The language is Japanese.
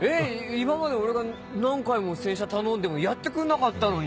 今まで俺が何回も洗車頼んでもやってくんなかったのに。